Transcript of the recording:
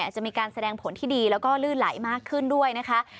จะมีการแสดงผลที่ดีแล้วก็ลื่นไหลมากขึ้นด้วยนะคะ